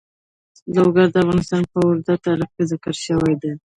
لوگر د افغانستان په اوږده تاریخ کې ذکر شوی دی.